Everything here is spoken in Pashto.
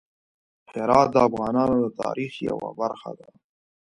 هرات د افغانانو د تاریخ یوه برخه ده.